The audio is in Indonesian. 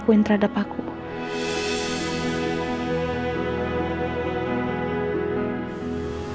aku masih bisa maafin apa yang kamu lakukan